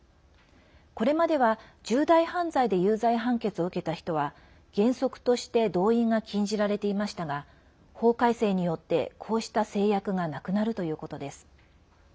これまでは重大犯罪で有罪判決を受けた人は原則として動員が禁じられていましたが法改正によって、こうした制約がなくなるということです。